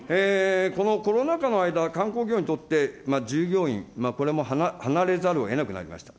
このコロナ禍の間、観光業にとって、従業員、これも離れざるをえなくなりました。